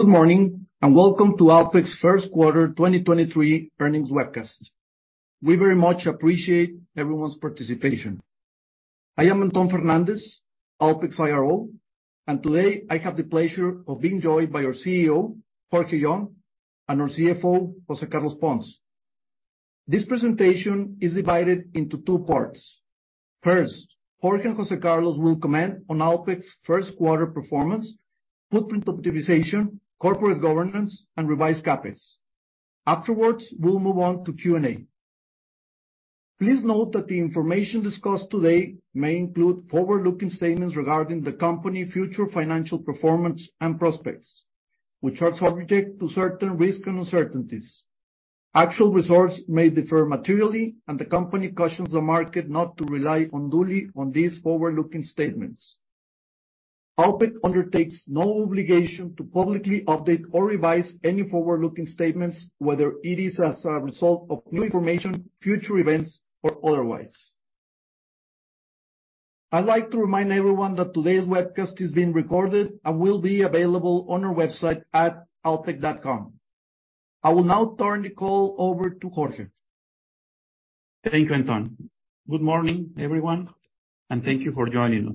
Good morning, and welcome to Alpek's First Quarter 2023 Earnings Webcast. We very much appreciate everyone's participation. I am Antón Fernández, Alpek's IRO, and today, I have the pleasure of being joined by our CEO, Jorge Young, and our CFO, José Carlos Pons. This presentation is divided into two parts. First, Jorge and José Carlos will comment on Alpek's first quarter performance, footprint optimization, corporate governance, and revised CapEx. Afterwards, we'll move on to Q&A. Please note that the information discussed today may include forward-looking statements regarding the company future financial performance and prospects, which are subject to certain risks and uncertainties. Actual results may differ materially, and the company cautions the market not to rely unduly on these forward-looking statements. Alpek undertakes no obligation to publicly update or revise any forward-looking statements, whether it is as a result of new information, future events, or otherwise. I'd like to remind everyone that today's webcast is being recorded and will be available on our website at alpek.com. I will now turn the call over to Jorge. Thank you, Antón. Good morning, everyone, and thank you for joining us.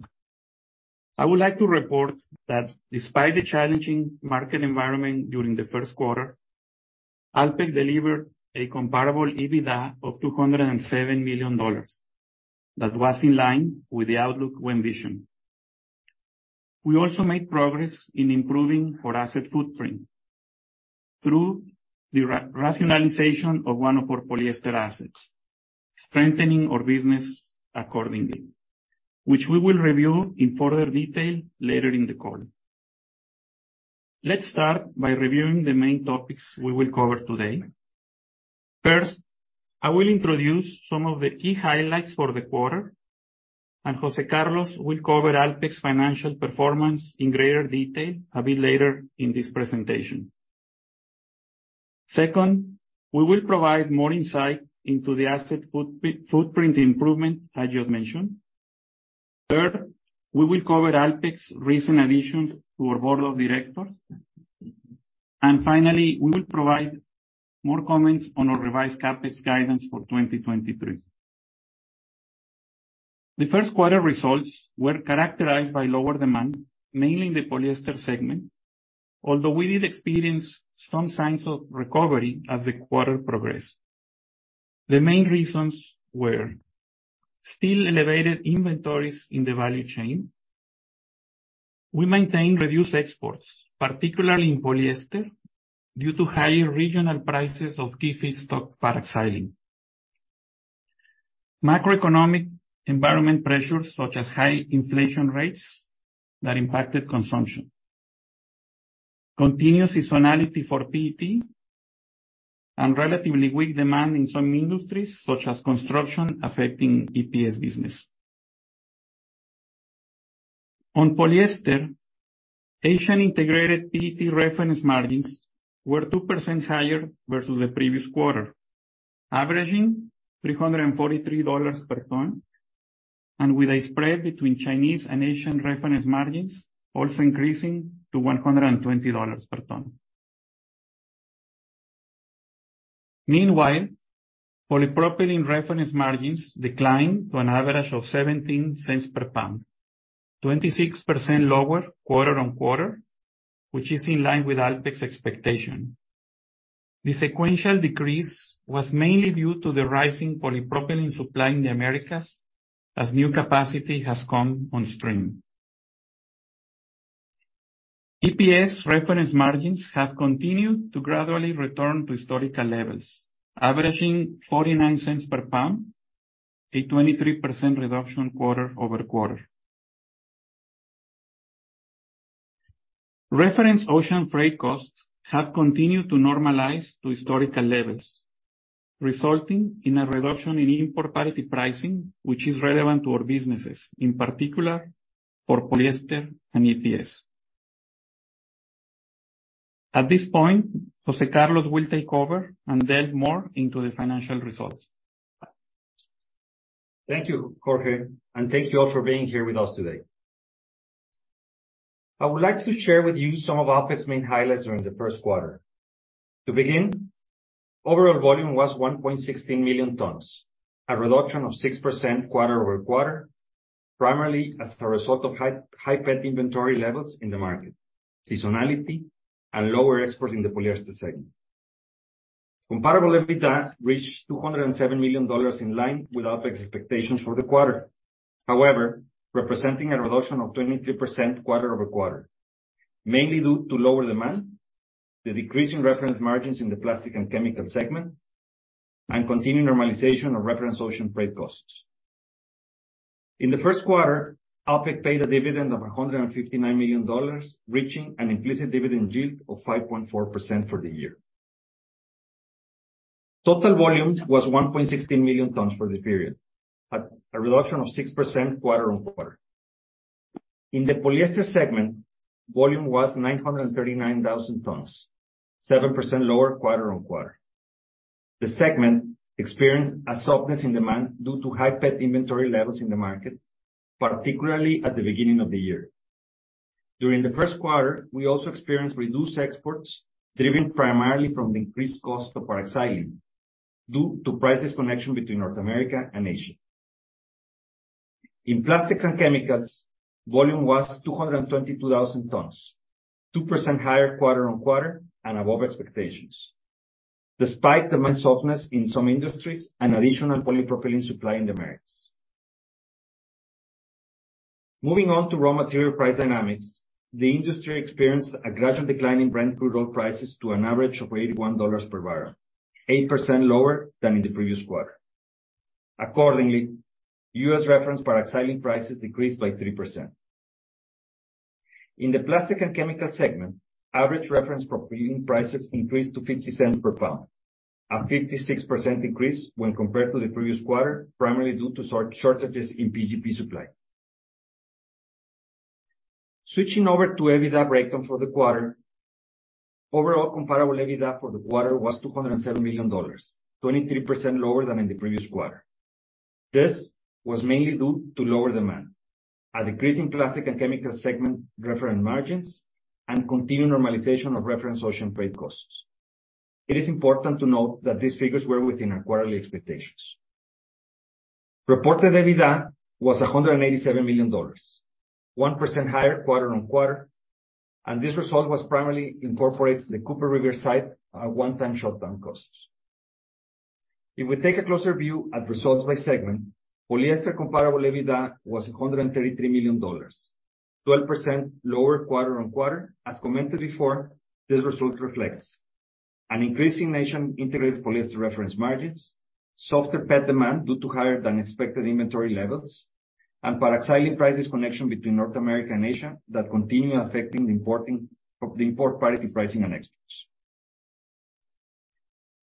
I would like to report that despite the challenging market environment during the first quarter, Alpek delivered a comparable EBITDA of $207 million. That was in line with the outlook we envisioned. We also made progress in improving our asset footprint through the rationalization of one of our Polyester assets, strengthening our business accordingly, which we will review in further detail later in the call. Let's start by reviewing the main topics we will cover today. First, I will introduce some of the key highlights for the quarter, and José Carlos will cover Alpek's financial performance in greater detail a bit later in this presentation. Second, we will provide more insight into the asset footprint improvement I just mentioned. Third, we will cover Alpek's recent addition to our board of directors. Finally, we will provide more comments on our revised CapEx guidance for 2023. The first quarter results were characterized by lower demand, mainly in the Polyester segment, although we did experience some signs of recovery as the quarter progressed. The main reasons were still elevated inventories in the value chain. We maintained reduced exports, particularly in Polyester, due to higher regional prices of key feedstock paraxylene. Macroeconomic environment pressures such as high inflation rates that impacted consumption. Continuous seasonality for PET and relatively weak demand in some industries, such as construction, affecting EPS business. On Polyester, Asian integrated PET reference margins were 2% higher versus the previous quarter, averaging $343 per ton, and with a spread between Chinese and Asian reference margins also increasing to $120 per ton. Meanwhile, polypropylene reference margins declined to an average of $0.17 per pound, 26% lower quarter-on-quarter, which is in line with Alpek's expectation. The sequential decrease was mainly due to the rising polypropylene supply in the Americas as new capacity has come on stream. EPS reference margins have continued to gradually return to historical levels, averaging $0.49 per pound, a 23% reduction quarter-over-quarter. Reference ocean freight costs have continued to normalize to historical levels, resulting in a reduction in import parity pricing, which is relevant to our businesses, in particular for Polyester and EPS. At this point, José Carlos will take over and delve more into the financial results. Thank you, Jorge, and thank you all for being here with us today. I would like to share with you some of Alpek's main highlights during the first quarter. To begin, overall volume was 1.16 million tons, a reduction of 6% quarter-over-quarter, primarily as a result of high PET inventory levels in the market, seasonality, and lower export in the Polyester segment. Comparable EBITDA reached $207 million in line with Alpek's expectations for the quarter. Representing a reduction of 22% quarter-over-quarter, mainly due to lower demand, the decrease in reference margins in the Plastics & Chemicals segment, and continued normalization of reference ocean freight costs. In the first quarter, Alpek paid a dividend of $159 million, reaching an implicit dividend yield of 5.4% for the year. Total volumes was 1.16 million tons for the period, a reduction of 6% quarter-on-quarter. In the Polyester segment, volume was 939,000 tons, 7% lower quarter-on-quarter. The segment experienced a softness in demand due to high PET inventory levels in the market, particularly at the beginning of the year. During the first quarter, we also experienced reduced exports, driven primarily from the increased cost of paraxylene due to price convergence between North America and Asia. In Plastics & Chemicals, volume was 222,000 tons, 2% higher quarter-on-quarter and above expectations, despite demand softness in some industries and additional polypropylene supply in the Americas. Moving on to raw material price dynamics. The industry experienced a gradual decline in Brent crude oil prices to an average of $81 per barrel, 8% lower than in the previous quarter. Accordingly, U.S. reference paraxylene prices decreased by 3%. In the Plastic & Chemical segment, average reference propylene prices increased to $0.50 per pound, a 56% increase when compared to the previous quarter, primarily due to short-shortages in PGP supply. Switching over to EBITDA breakdown for the quarter. Overall comparable EBITDA for the quarter was $207 million, 23% lower than in the previous quarter. This was mainly due to lower demand, a decrease in Plastic & Chemical segment reference margins, and continued normalization of reference ocean freight costs. It is important to note that these figures were within our quarterly expectations. Reported EBITDA was $187 million, 1% higher quarter-on-quarter. This result was primarily incorporates the Cooper River site, one-time shutdown costs. If we take a closer view at results by segment, Polyester comparable EBITDA was $133 million, 12% lower quarter-on-quarter. As commented before, this result reflects an increase in nation integrated Polyester reference margins, softer PET demand due to higher than expected inventory levels, and paraxylene price convergence between North America and Asia that continue affecting the import parity pricing and exports.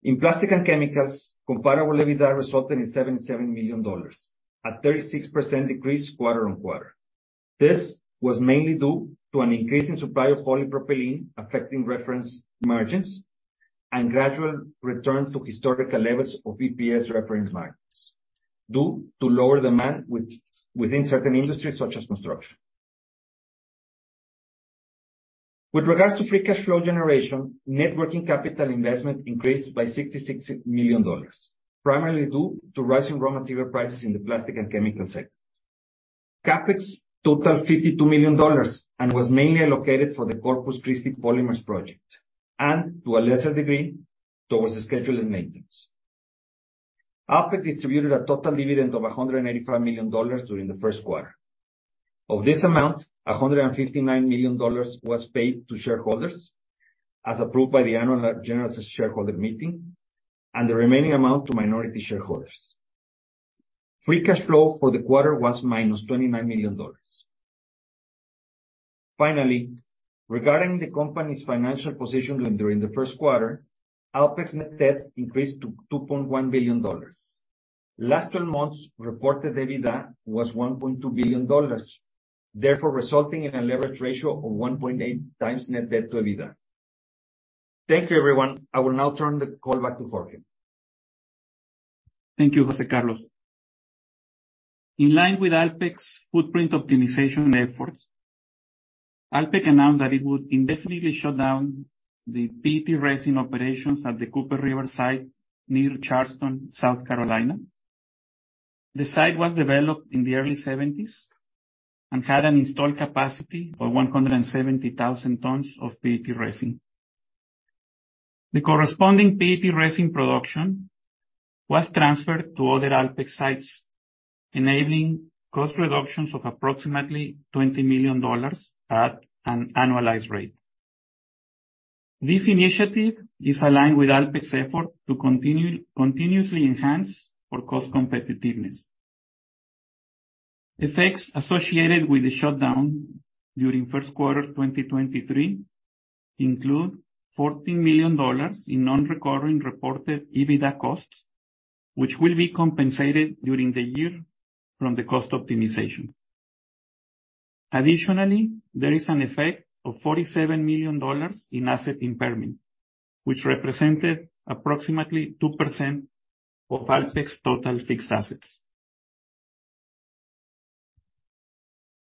In Plastic & Chemicals, comparable EBITDA resulted in $77 million, a 36% decrease quarter-on-quarter. This was mainly due to an increase in supply of polypropylene affecting reference margins and gradual return to historical levels of EPS reference margins due to lower demand within certain industries such as construction. With regards to free cash flow generation, net working capital investment increased by $66 million, primarily due to rising raw material prices in the Plastic & Chemical segments. CapEx totaled $52 million and was mainly allocated for the Corpus Christi Polymers project and to a lesser degree, towards the schedule and maintenance. Alpek distributed a total dividend of $185 million during the first quarter. Of this amount, $159 million was paid to shareholders as approved by the Annual General Shareholders' Meeting, and the remaining amount to minority shareholders. Free cash flow for the quarter was $-29 million. Finally, regarding the company's financial position during the first quarter, Alpek's net debt increased to $2.1 billion. Last 12 months reported EBITDA was $1.2 billion, therefore resulting in a leverage ratio of 1.8x net debt to EBITDA. Thank you, everyone. I will now turn the call back to Jorge. Thank you, José Carlos. In line with Alpek's footprint optimization efforts, Alpek announced that it would indefinitely shut down the PET resin operations at the Cooper River site near Charleston, South Carolina. The site was developed in the early seventies and had an installed capacity of 170,000 tons of PET resin. The corresponding PET resin production was transferred to other Alpek sites, enabling cost reductions of approximately $20 million at an annualized rate. This initiative is aligned with Alpek's effort to continuously enhance for cost competitiveness. Effects associated with the shutdown during first quarter 2023 include $14 million in non-recurring reported EBITDA costs, which will be compensated during the year from the cost optimization. Additionally, there is an effect of $47 million in asset impairment, which represented approximately 2% of Alpek's total fixed assets.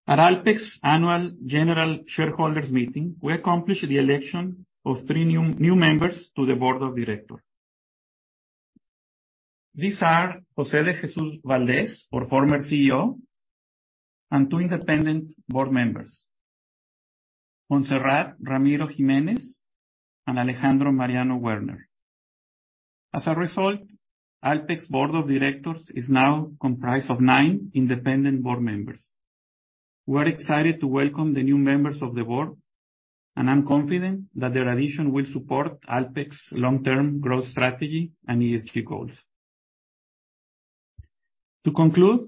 At Alpek's Annual General Shareholders' Meeting, we accomplished the election of three new members to the board of directors. These are José de Jesús Valdez, our former CEO, and two independent board members, Montserrat Ramiro Ximénez and Alejandro Mariano Werner. As a result, Alpek's board of directors is now comprised of nine independent board members. We're excited to welcome the new members of the board, I'm confident that their addition will support Alpek's long-term growth strategy and ESG goals. To conclude,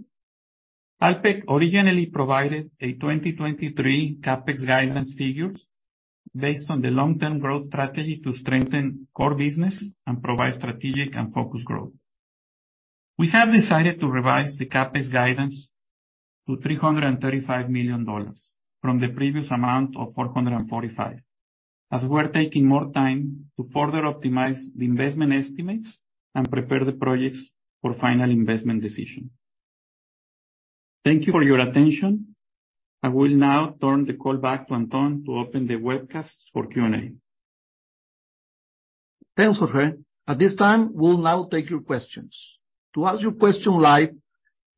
Alpek originally provided a 2023 CapEx guidance figures based on the long-term growth strategy to strengthen core business and provide strategic and focused growth. We have decided to revise the CapEx guidance to $335 million from the previous amount of $445 million, as we're taking more time to further optimize the investment estimates and prepare the projects for final investment decision. Thank you for your attention. I will now turn the call back to Antón to open the webcast for Q&A. Thanks, Jorge. At this time, we'll now take your questions. To ask your question live,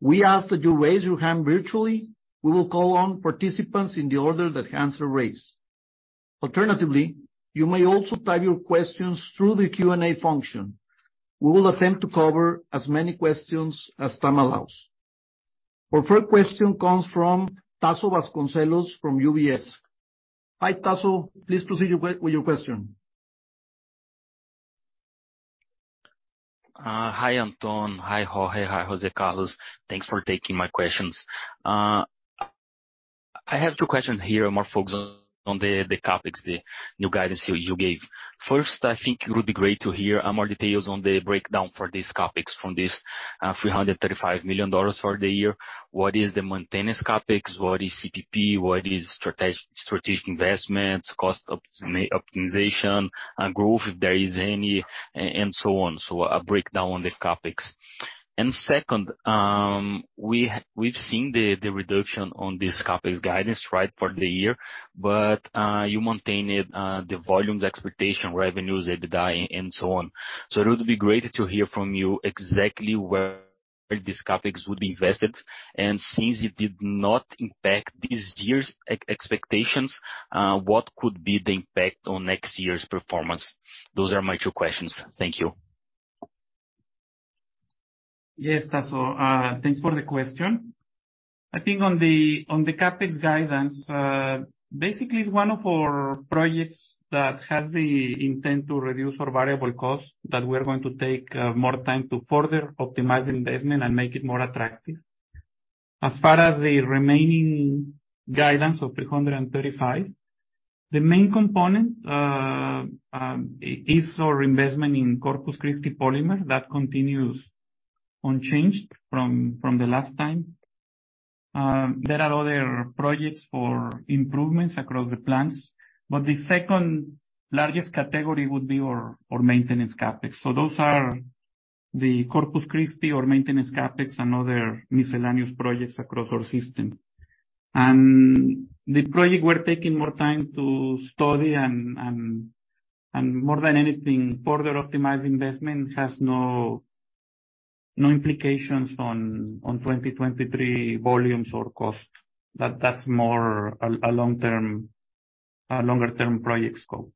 we ask that you raise your hand virtually. We will call on participants in the order that hands are raised. Alternatively, you may also type your questions through the Q&A function. We will attempt to cover as many questions as time allows. Our first question comes from Tasso Vasconcellos from UBS. Hi, Tasso. Please proceed with your question. Hi, Antón. Hi, Jorge. Hi, José Carlos. Thanks for taking my questions. I have two questions here, more focused on the CapEx, the new guidance you gave. First, I think it would be great to hear more details on the breakdown for these CapEx from this $335 million for the year. What is the maintenance CapEx? What is CPP? What is strategic investments, cost optimization and growth, if there is any, and so on. A breakdown on the CapEx. Second, we've seen the reduction on this CapEx guidance, right, for the year. You maintained the volumes expectation, revenues, EBITDA, and so on. It would be great to hear from you exactly where this CapEx would be invested. Since it did not impact this year's expectations, what could be the impact on next year's performance? Those are my two questions. Thank you. Yes, Tasso. Thanks for the question. I think on the CapEx guidance, basically it's one of our projects that has the intent to reduce our variable cost that we're going to take more time to further optimize investment and make it more attractive. As far as the remaining guidance of $335, the main component is our investment in Corpus Christi Polymers. That continues unchanged from the last time. There are other projects for improvements across the plants, but the second largest category would be our maintenance CapEx. Those are the Corpus Christi, our maintenance CapEx, and other miscellaneous projects across our system. The project we're taking more time to study and more than anything, further optimize investment has no implications on 2023 volumes or cost. That's more a long-term... A longer-term project scope.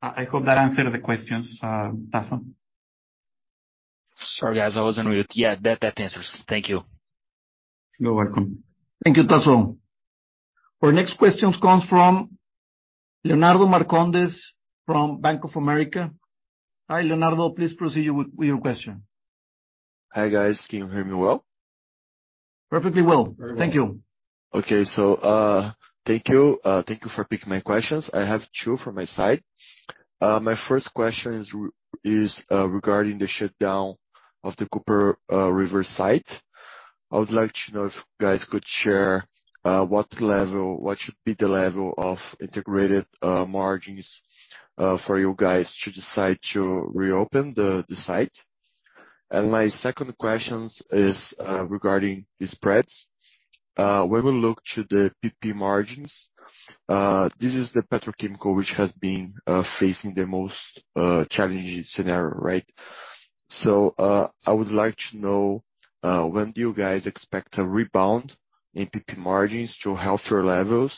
I hope that answered the questions, Tasso. Sorry, guys, I was on mute. Yeah, that answers. Thank you. You're welcome. Thank you, Tasso. Our next questions comes from Leonardo Marcondes from Bank of America. Hi, Leonardo, please proceed with your question. Hi, guys. Can you hear me well? Perfectly well. Very well. Thank you. Okay. Thank you. Thank you for picking my questions. I have two from my side. My first question is regarding the shutdown of the Cooper River site. I would like to know if you guys could share what should be the level of integrated margins for you guys to decide to reopen the site. My second questions is regarding the spreads. When we look to the PP margins, this is the petrochemical which has been facing the most challenging scenario, right? I would like to know when do you guys expect a rebound in PP margins to healthier levels?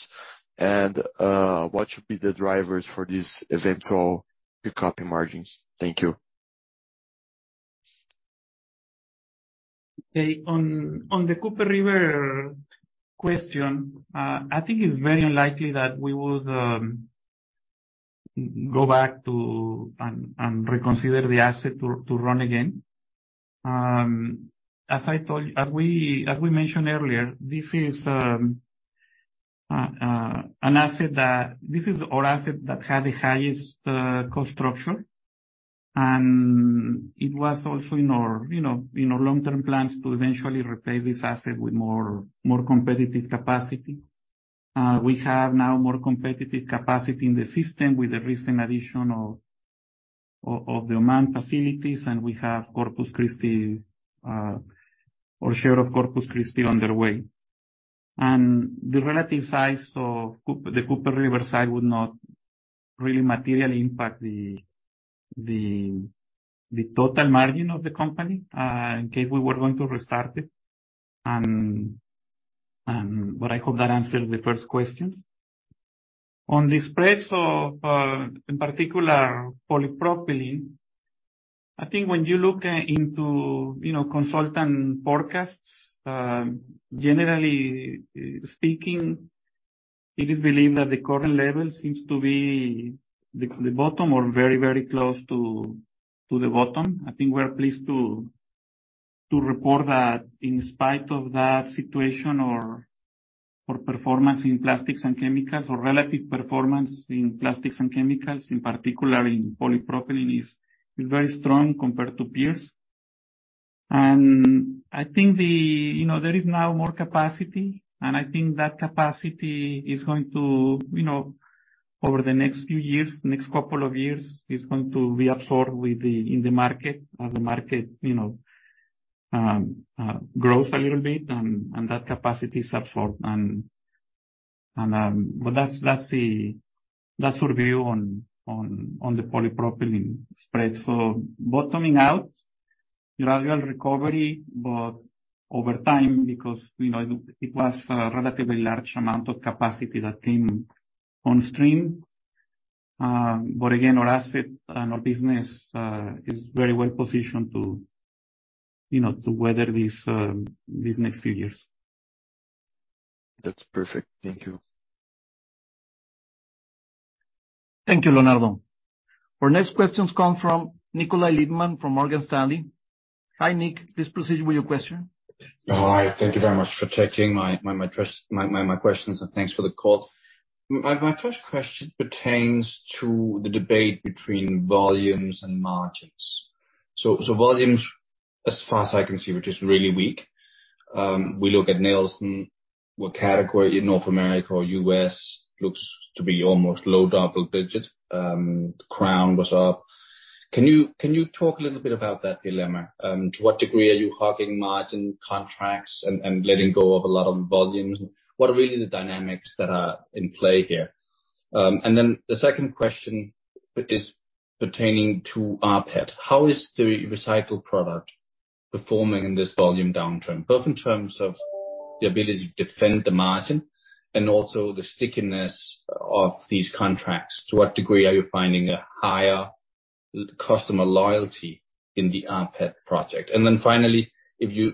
What should be the drivers for this eventual pickup in margins? Thank you. Okay. On the Cooper River question, I think it's very unlikely that we would go back to and reconsider the asset to run again. As we mentioned earlier, this is our asset that had the highest cost structure, and it was also in our, you know, in our long-term plans to eventually replace this asset with more competitive capacity. We have now more competitive capacity in the system with the recent addition of the Oman facilities, and we have Corpus Christi, our share of Corpus Christi on their way. The relative size of the Cooper River site would not really materially impact the total margin of the company in case we were going to restart it. I hope that answers the first question. On the spreads of, in particular, polypropylene, I think when you look into, you know, consultant forecasts, generally speaking, it is believed that the current level seems to be the bottom or very close to the bottom. I think we're pleased to report that in spite of that situation or performance in Plastics & Chemicals or relative performance in Plastics & Chemicals, in particular in polypropylene, is very strong compared to peers. I think the... You know, there is now more capacity, and I think that capacity is going to, you know, over the next few years, next couple of years, is going to be absorbed with the, in the market. As the market, you know, grows a little bit and that capacity is absorbed. That's our view on the polypropylene spread. Bottoming out, gradual recovery, but over time, because, you know, it was a relatively large amount of capacity that came on stream. Again, our asset and our business is very well positioned to, you know, to weather these next few years. That's perfect. Thank you. Thank you, Leonardo. Our next questions come from Nikolaj Lippmann from Morgan Stanley. Hi, Nik. Please proceed with your question. Hi. Thank you very much for taking my questions. Thanks for the call. My first question pertains to the debate between volumes and margins. Volumes, as far as I can see, were just really weak. We look at Nielsen, what category in North America or U.S. looks to be almost low double-digit. Crown was up. Can you talk a little bit about that dilemma? To what degree are you hugging margin contracts and letting go of a lot of volumes? What are really the dynamics that are in play here? Then the second question is pertaining to rPET. How is the recycled product performing in this volume downturn, both in terms of the ability to defend the margin and also the stickiness of these contracts? To what degree are you finding a higher customer loyalty in the rPET project? Then finally, if you...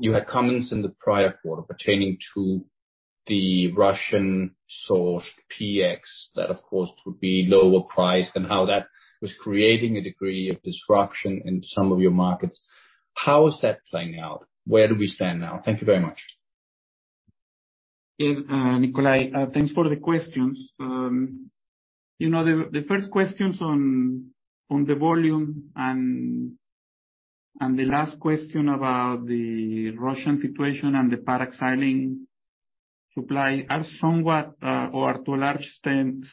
You had comments in the prior quarter pertaining to the Russian sourced PX. Of course, would be lower priced and how that was creating a degree of disruption in some of your markets. How is that playing out? Where do we stand now? Thank you very much. Yes, Nikolaj, thanks for the questions. You know, the first questions on the volume and the last question about the Russian situation and the paraxylene supply are somewhat or to a large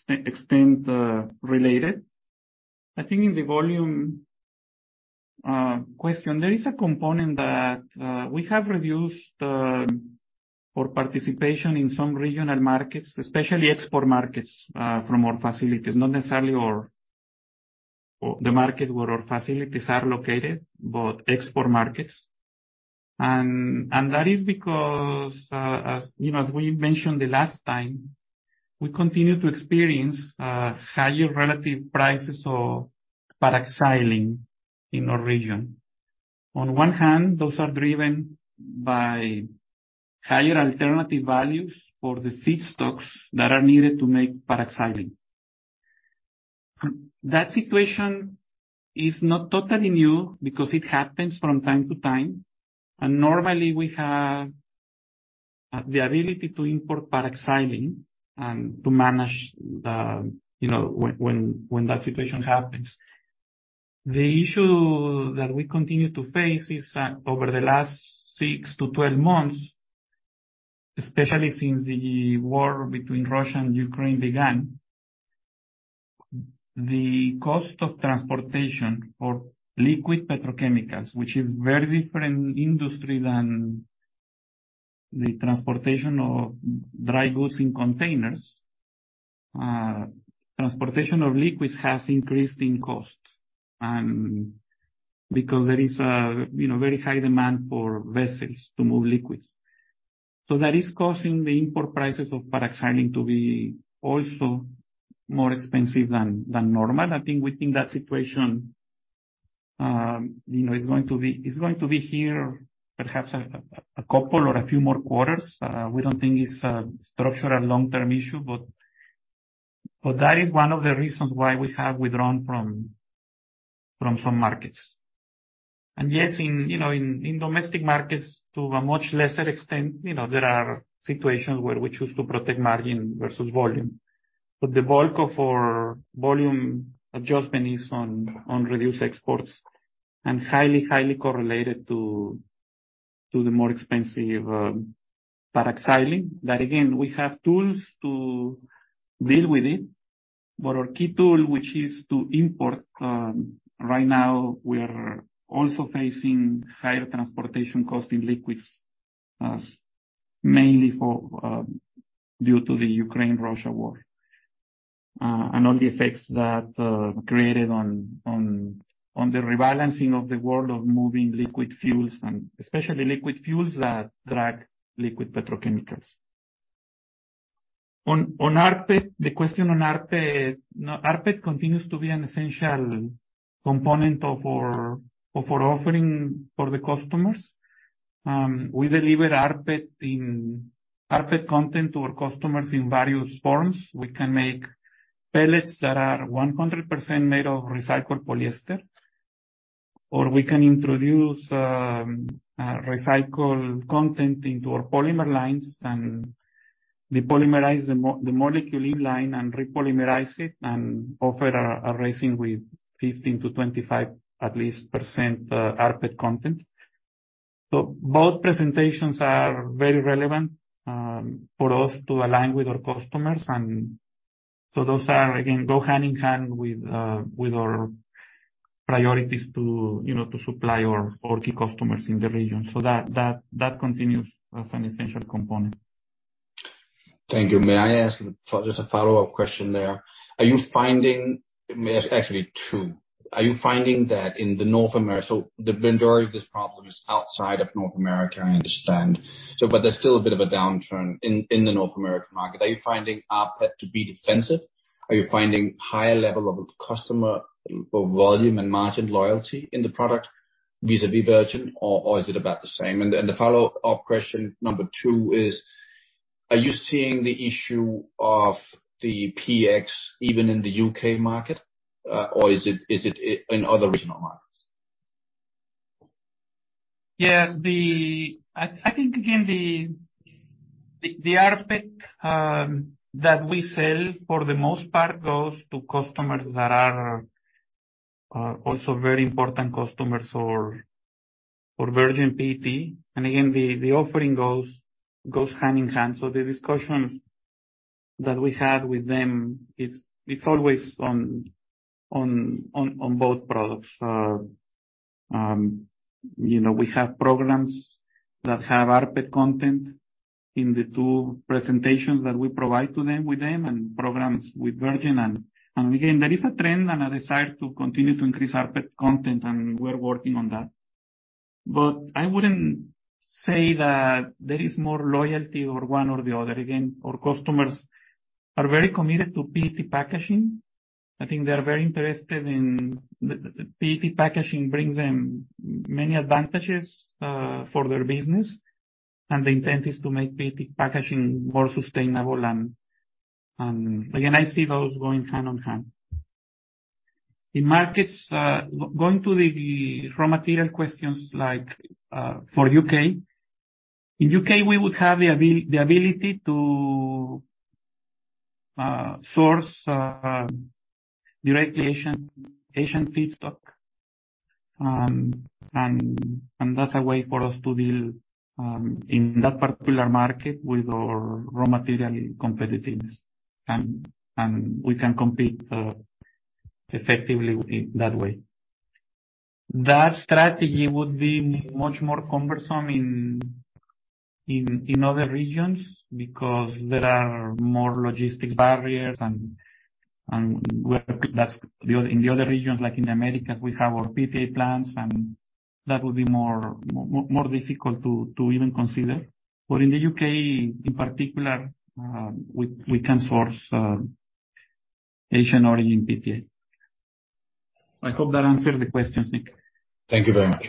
extent related. I think in the volume question, there is a component that we have reduced our participation in some regional markets, especially export markets from our facilities. Not necessarily the markets where our facilities are located, but export markets. That is because, as, you know, as we mentioned the last time, we continue to experience higher relative prices for paraxylene in our region. On one hand, those are driven by higher alternative values for the feedstocks that are needed to make paraxylene. That situation is not totally new because it happens from time to time. Normally we have the ability to import paraxylene and to manage, you know, when that situation happens. The issue that we continue to face is over the last 6-12 months, especially since the war between Russia and Ukraine began, the cost of transportation for liquid petrochemicals, which is very different industry than the transportation of dry goods in containers. Transportation of liquids has increased in cost because there is a, you know, very high demand for vessels to move liquids. That is causing the import prices of paraxylene to be also more expensive than normal. I think we think that situation, you know, is going to be, is going to be here perhaps a couple or a few more quarters. We don't think it's a structural long-term issue, but that is one of the reasons why we have withdrawn from some markets. Yes, in, you know, in domestic markets to a much lesser extent, you know, there are situations where we choose to protect margin versus volume. The bulk of our volume adjustment is on reduced exports and highly correlated to the more expensive paraxylene. That again, we have tools to deal with it. Our key tool, which is to import, right now, we are also facing higher transportation cost in liquids, mainly for due to the Ukraine-Russia war. All the effects that created on the rebalancing of the world of moving liquid fuels and especially liquid fuels that drag liquid petrochemicals. On rPET, the question on rPET. No, rPET continues to be an essential component of our offering for the customers. We deliver rPET in rPET content to our customers in various forms. We can make pellets that are 100% made of recycled polyester, or we can introduce recycled content into our polymer lines, and depolymerize the molecule in line and repolymerize it and offer a resin with 15%-25% at least rPET content. Both presentations are very relevant for us to align with our customers. Those are again go hand-in-hand with our priorities to, you know, to supply our key customers in the region. That continues as an essential component. Thank you. May I ask just a follow-up question there. Are you finding? May I ask actually two. Are you finding that in the North America? The majority of this problem is outside of North America, I understand. But there's still a bit of a downturn in the North American market. Are you finding rPET to be defensive? Are you finding higher level of customer or volume and margin loyalty in the product vis-à-vis virgin, or is it about the same? The follow-up question number two is, are you seeing the issue of the PX even in the U.K. market, or is it in other regional markets? Yeah. I think again, the rPET that we sell for the most part goes to customers that are also very important customers for virgin PET. Again, the offering goes hand-in-hand. The discussion that we had with them is it's always on both products. You know, we have programs that have rPET content in the two presentations that we provide to them with them, and programs with virgin. Again, there is a trend and a desire to continue to increase rPET content, and we're working on that. I wouldn't say that there is more loyalty or one or the other. Again, our customers are very committed to PET packaging. I think they are very interested in... The PET packaging brings them many advantages for their business, and the intent is to make PET packaging more sustainable and again, I see those going hand-on-hand. In markets, going to the raw material questions like for U.K. In U.K., we would have the ability to source directly Asian feedstock. That's a way for us to build in that particular market with our raw material competitiveness. We can compete effectively in that way. That strategy would be much more cumbersome in other regions because there are more logistics barriers and where that's... In the other regions, like in the Americas, we have our PTA plants, and that would be more difficult to even consider. In the U.K. in particular, we can source Asian origin PTA. I hope that answers the questions, Nick. Thank you very much.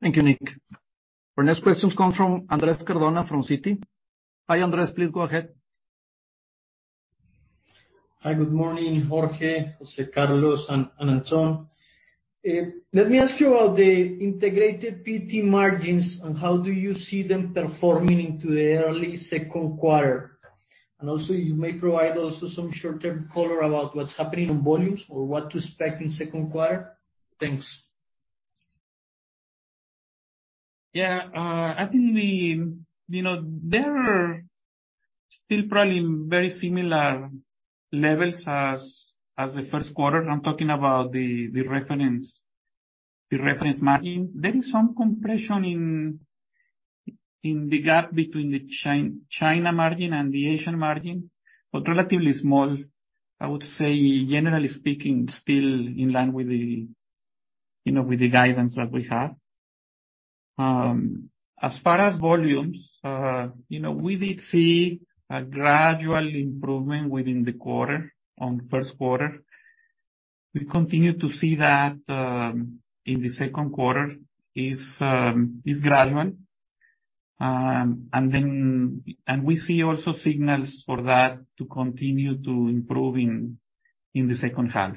Thank you, Nik. Our next questions come from Andres Cardona from Citi. Hi, Andres, please go ahead. Hi. Good morning, Jorge, José Carlos, and Antón. Let me ask you about the integrated PET margins and how do you see them performing into the early second quarter. Also you may provide also some short-term color about what's happening on volumes or what to expect in second quarter. Thanks. Yeah. I think you know, there are still probably very similar levels as the first quarter. I'm talking about the reference margin. There is some compression in the gap between the China margin and the Asian margin, but relatively small. I would say generally speaking, still in line with you know, with the guidance that we have. As far as volumes, you know, we did see a gradual improvement within the quarter, on first quarter. We continue to see that in the second quarter, is gradual. We see also signals for that to continue to improve in the second half.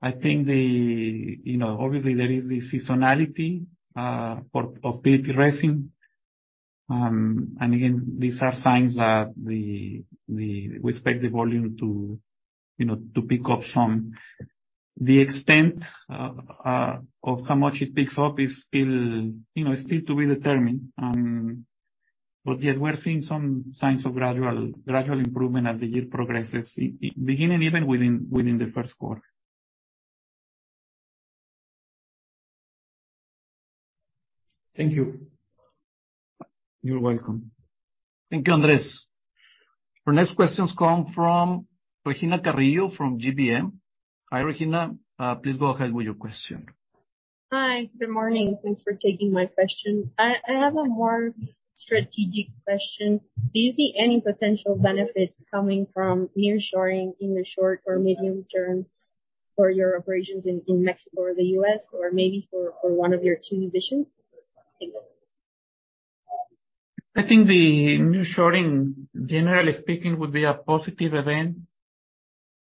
I think you know, obviously there is the seasonality of PET resin. Again, these are signs that. We expect the volume to, you know, to pick up some. The extent of how much it picks up is still, you know, still to be determined. Yes, we're seeing some signs of gradual improvement as the year progresses, beginning even within the first quarter. Thank you. You're welcome. Thank you, Andres. Our next questions come from Regina Carrillo from GBM. Hi, Regina, please go ahead with your question. Hi. Good morning. Thanks for taking my question. I have a more strategic question. Do you see any potential benefits coming from nearshoring in the short or medium term for your operations in Mexico or the U.S., or maybe for one of your two divisions? Thanks. I think the nearshoring, generally speaking, would be a positive event,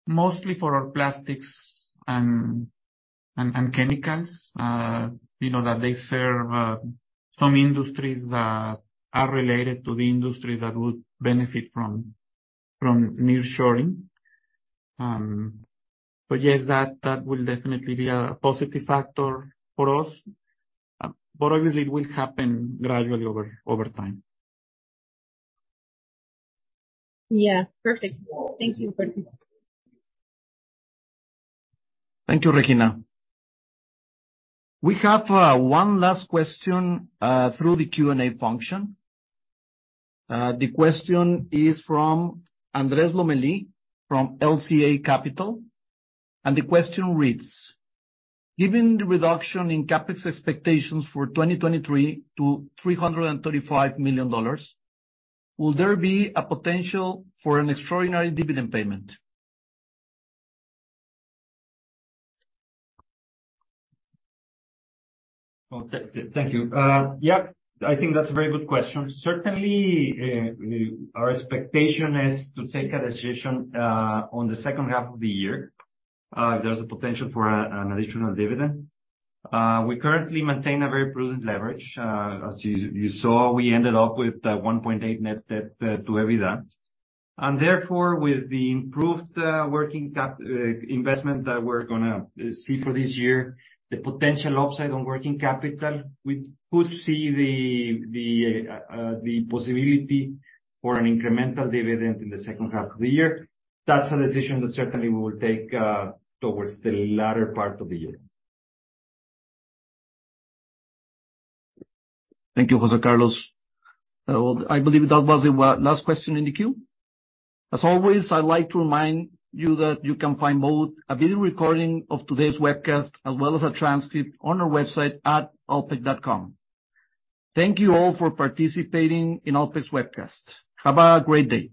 mostly for our Plastics & Chemicals, you know, that they serve some industries that are related to the industry that would benefit from nearshoring. Yes, that will definitely be a positive factor for us. Obviously it will happen gradually over time. Yeah. Perfect. Thank you, Jorge. Thank you, Regina. We have one last question through the Q&A function. The question is from Andrés Lomelí from LCA Capital, and the question reads: Given the reduction in CapEx expectations for 2023 to $335 million, will there be a potential for an extraordinary dividend payment? Well, thank you. Yeah, I think that's a very good question. Certainly, our expectation is to take a decision on the second half of the year, if there's a potential for an additional dividend. We currently maintain a very prudent leverage. As you saw, we ended up with 1.8 net debt to EBITDA. Therefore, with the improved working capital investment that we're gonna see for this year, the potential upside on working capital, we could see the possibility for an incremental dividend in the second half of the year. That's a decision that certainly we will take towards the latter part of the year. Thank you, José Carlos. Well, I believe that was the last question in the queue. As always, I'd like to remind you that you can find both a video recording of today's webcast as well as a transcript on our website at alpek.com. Thank you all for participating in Alpek's webcast. Have a great day.